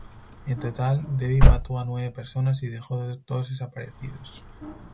En total, Debby mató a nueve personas y dejó dos desaparecidos.